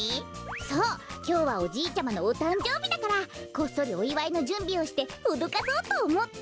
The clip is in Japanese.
そうきょうはおじいちゃまのおたんじょうびだからこっそりおいわいのじゅんびをしておどかそうとおもって。